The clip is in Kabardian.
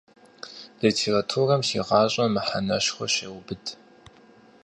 Литературэм си гъащӏэм мэхьэнэшхуэ щеубыд.